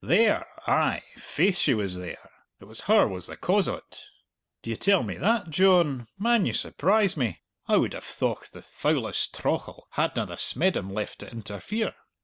"There, ay; faith, she was there. It was her was the cause o't." "D'ye tell me that, John? Man, you surprise me. I would have thocht the thowless trauchle hadna the smeddum left to interfere."